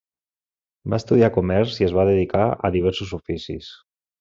Va estudiar comerç i es va dedicar a diversos oficis.